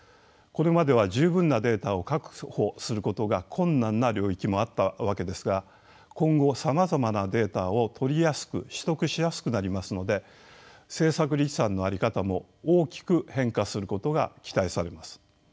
これまでは十分なデータを確保することが困難な領域もあったわけですが今後さまざまなデータを取りやすく取得しやすくなりますので政策立案の在り方も大きく変化することが期待されます。